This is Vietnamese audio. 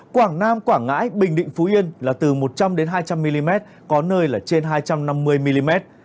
quảng nam quảng ngãi bình định phú yên là từ một trăm linh hai trăm linh mm có nơi là trên hai trăm năm mươi mm